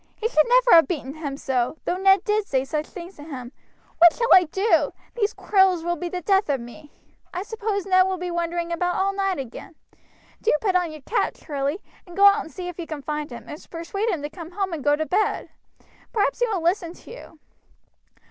He should never have beaten him so, though Ned did say such things to him. What shall I do? these quarrels will be the death of me. I suppose Ned will be wandering about all night again. Do put on your cap, Charlie, and go out and see if you can find him, and persuade him to come home and go to bed; perhaps he will listen to you."